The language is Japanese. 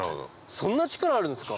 そんな力あるんですか。